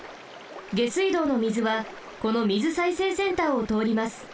下水道の水はこの水再生センターをとおります。